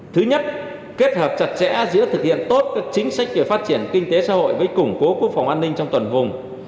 thứ nhất kết hợp chặt chẽ giữa thực hiện tốt các chính sách về phát triển kinh tế xã hội với củng cố quốc phòng an ninh trong toàn vùng